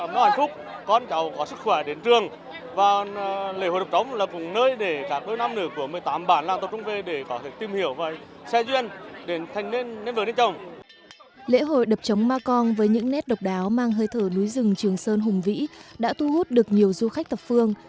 lễ hội đập chống ma cong với những nét độc đáo mang hơi thở núi rừng trường sơn hùng vĩ đã thu hút được nhiều du khách thập phương